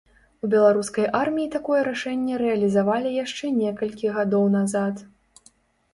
У беларускай арміі такое рашэнне рэалізавалі яшчэ некалькі гадоў назад.